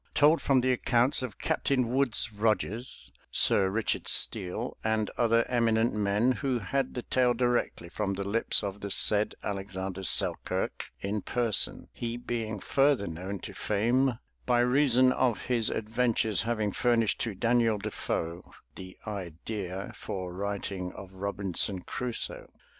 Told from the Accounts of Captain Woodes Rogers, Sir Richard Steele and other Eminent Men, who had the Tale directly from the Lips of the said Alexander Selkirk in Person, he being further known to Fame by reason of his Adventures having furnished to Daniel Defoe the idea for writing of Robinson Crusoe.